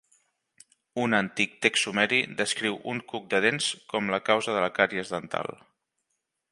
Un antic text sumeri descriu un "cuc de dents" com la causa de la càries dental.